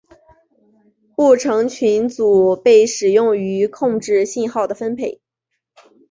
行程群组被使用于控制信号的分配。